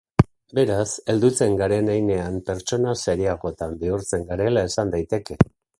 Beraz, heldutzen garen heinean pertsona serioagotan bihurtzen garela esan daiteke?